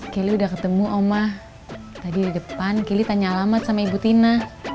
kelly udah ketemu oma tadi di depan kelly tanya alamat sama ibu tina